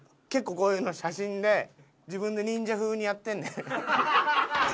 結構こういうの写真で自分で忍者風にやってんねん。